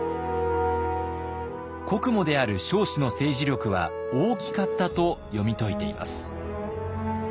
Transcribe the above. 国母である彰子の政治力は大きかったと読み解いています。